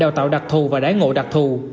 đào tạo đặc thù và đái ngộ đặc thù